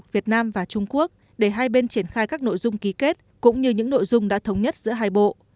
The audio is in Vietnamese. việt nam và trung quốc để hai bên triển khai các nội dung ký kết cũng như những nội dung đã thống nhất giữa hai bộ